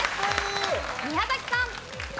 宮崎さん。